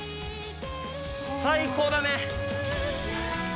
最高だね！